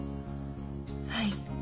はい。